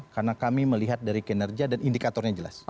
karena kami melihat dari kinerja dan indikatornya jelas